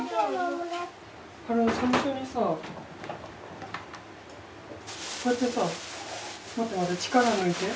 こうやってさ。